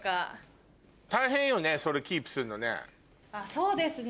そうですね